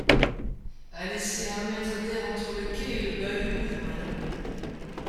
as laissé un mètre d’air entre le quai et le bahut, gros malin !